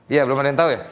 iya belum ada yang tahu ya